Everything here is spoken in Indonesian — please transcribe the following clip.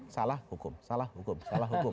salah hukum salah hukum salah hukum